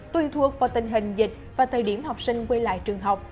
tùy thuộc vào tình hình dịch và thời điểm học sinh quay lại trường học